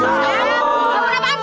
sabun apaan sih